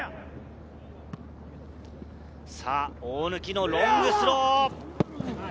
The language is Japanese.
大貫のロングスロー。